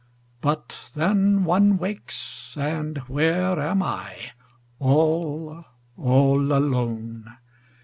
But then one wakes, and where am I? All, all alone.